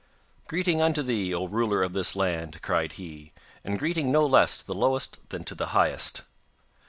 'Greeting unto thee, O ruler of this land,' cried he, 'and greeting no less to the lowest than to the highest.